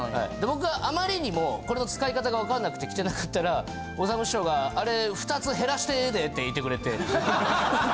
僕があまりにもこれの使い方がわかんなくて着てなかったらおさむ師匠が「あれ２つ減らしてええで」って言ってくれて。